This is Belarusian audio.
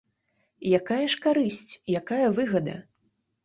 Якая ж карысць, якая выгада?